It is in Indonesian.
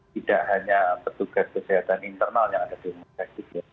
tidak hanya petugas kesehatan internal yang ada di rumah